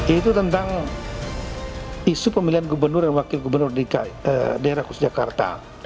itu tentang isu pemilihan gubernur dan wakil gubernur di daerah kus jakarta